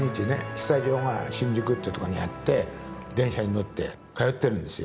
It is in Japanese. スタジオが新宿ってとこにあって電車に乗って通ってるんですよ。